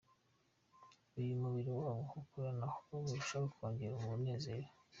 Iyo umubiri wabo ukoranaho birushaho kongera umunezero.